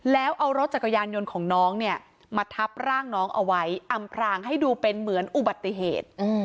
แล้วเอารถจักรยานยนต์ของน้องเนี่ยมาทับร่างน้องเอาไว้อำพรางให้ดูเป็นเหมือนอุบัติเหตุ